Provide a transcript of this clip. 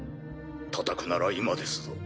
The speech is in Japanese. たたくなら今ですぞ。